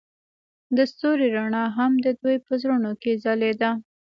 د ستوري رڼا هم د دوی په زړونو کې ځلېده.